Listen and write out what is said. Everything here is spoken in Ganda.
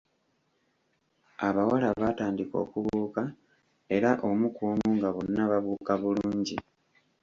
Abawala baatandika okubuuka era omu ku omu nga bonna babuuka bulungi.